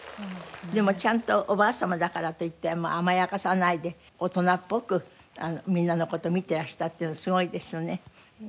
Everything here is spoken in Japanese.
でもちゃんとおばあ様だからといって甘やかさないで大人っぽくみんなの事見てらしたっていうのはすごいですよね。